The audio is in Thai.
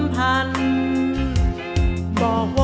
ดินทอด